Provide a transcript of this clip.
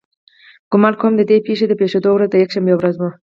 ګمان کوم د دې پېښې د پېښېدو ورځ د یکشنبې ورځ وه.